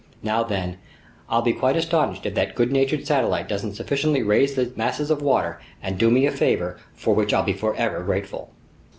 Now then, I'll be quite astonished if that good natured satellite doesn't sufficiently raise these masses of water and do me a favor for which I'll be forever grateful."